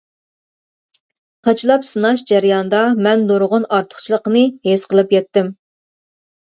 قاچىلاپ سىناش جەرياندا مەن نۇرغۇن ئارتۇقچىلىقىنى ھېس قىلىپ يەتتىم.